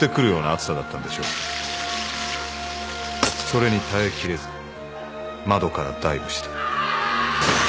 それに耐え切れず窓からダイブした。